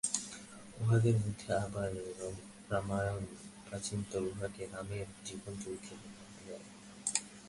উহাদের মধ্যে আবার রামায়ণ প্রাচীনতর, উহাকে রামের জীবনচরিত বলা যায়।